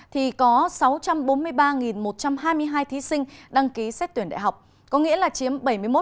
thì có sáu trăm bốn mươi ba một trăm hai mươi hai thí sinh đăng ký xét tuyển đại học có nghĩa là chiếm bảy mươi một